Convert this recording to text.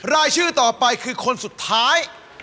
รายชื่อต่อไปคือคนสุดท้าย